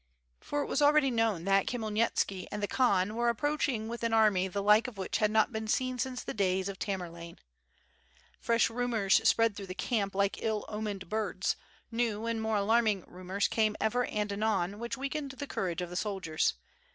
For it was already known that Khmyelnitski and the Khan were approaching with an army the like of which had not been seen since the days of Tamerlane. Fresh rumors spread through the camp like ill omened birds, new and more alarming rumors came ever and anon which weakened the courage of the soldiers.